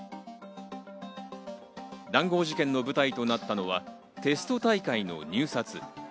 談合事件の舞台となったのは、テスト大会の入札。